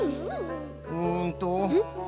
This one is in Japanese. うんと。